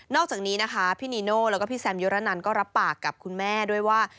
อกจากนี้นะคะพี่นีโน่แล้วก็พี่แซมยุระนันก็รับปากกับคุณแม่ด้วยว่า